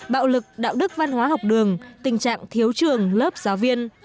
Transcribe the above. bạo lực đạo đức văn hóa học đường tình trạng thiếu trường lớp giáo viên